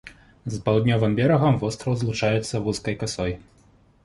З паўднёвым берагам востраў злучаецца вузкай касой.